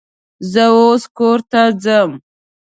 زه اوس کور ته ځم